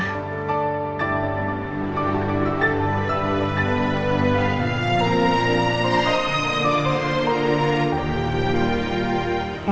aku aja gak pernah dimasakin sama mama